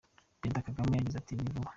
Perezida Kagame yagize ati “Ni vuba.